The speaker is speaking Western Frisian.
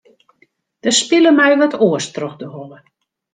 Der spile my wat oars troch de holle.